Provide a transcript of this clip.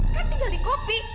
kan tinggal di kopi